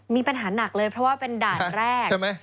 มีปัญหาหนักเลยเพราะว่าเป็นด่านแรก